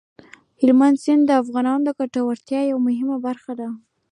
هلمند سیند د افغانانو د ګټورتیا یوه مهمه برخه ده.